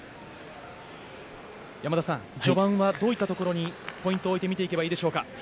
山田さん、序盤はどういったところにポイントを置いて見ていけばいいでしょうか。